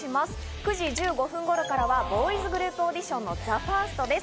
９時１５分頃からはボーイズグループオーディションのＴＨＥＦＩＲＳＴです。